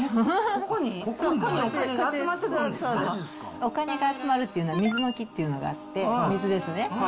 お金が集まるっていうのは水の気っていうのがあって、水ですね。